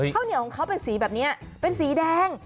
ข้าวเหนียวของเขาเป็นสีแบบนี้เป็นสีแดง